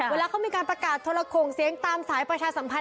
เวลาเขามีการประกาศโทรโข่งเสียงตามสายประชาสัมพันธ